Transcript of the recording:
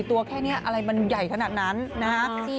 ตัวแค่นี้อะไรมันใหญ่ขนาดนั้นนะฮะ